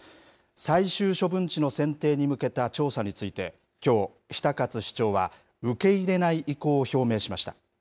最終処分地の選定に向けた調査について、きょう、比田勝市長は受け入れない意向を表明しました。